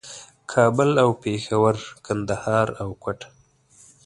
کابل او پېښور، کندهار او کوټه